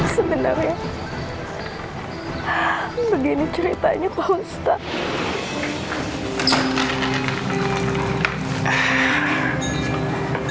sebenarnya begini ceritanya pak ustadz